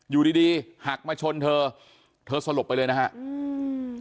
อยู่ดีดีหักมาชนเธอเธอสลบไปเลยนะฮะอืม